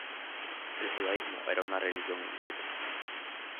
El judaísmo era una religión lícita.